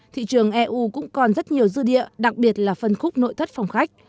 thị trường eu cũng còn rất nhiều dư địa đặc biệt là phân khúc nội thất phòng khách